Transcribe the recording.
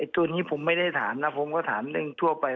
ตัวนี้ผมไม่ได้ถามนะผมก็ถามเรื่องทั่วไป